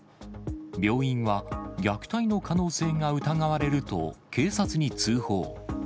病院は、虐待の可能性が疑われると、警察に通報。